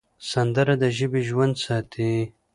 سندره د ژبې ژوند ساتي